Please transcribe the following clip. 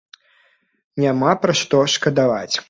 Няма пра што шкадаваць.